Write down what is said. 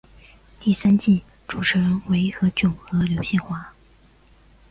第三季主持人为何炅和刘宪华。